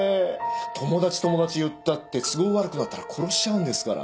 友達友達いったって都合悪くなったら殺しちゃうんですから